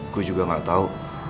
gue juga gak tau